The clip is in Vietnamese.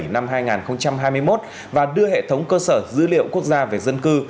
năm hai nghìn hai mươi một và đưa hệ thống cơ sở dữ liệu quốc gia về dân cư